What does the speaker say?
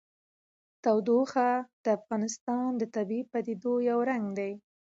تودوخه د افغانستان د طبیعي پدیدو یو رنګ دی.